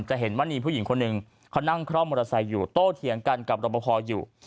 จะเห็นว่ามีผู้หญิงคนหนึ่งเขานั่งคล่อมมอเตอร์ไซค์อยู่โตเถียงกันกับรบพออยู่